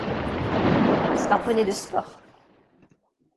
C'est un poney de sport.